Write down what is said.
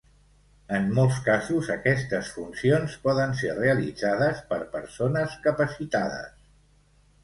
En molts casos, aquestes funcions poden ser realitzades per persones capacitades.